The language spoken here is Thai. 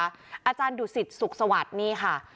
อาจารย์ดุสิตสุขสวัสดิ์นี่ค่ะ